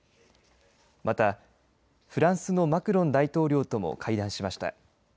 また、フランスのマクロン大統領とも会談しました。